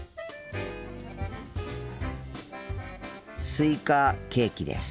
スイカケーキです。